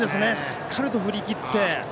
しっかりと振り切って。